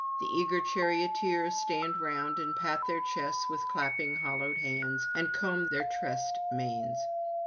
The eager charioteers stand round and pat their chests with clapping hollowed hands, and comb their tressed manes.